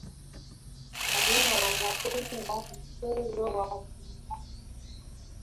Rahim anapenda mchezo wa kandanda